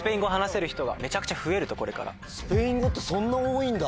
スペイン語ってそんな多いんだ。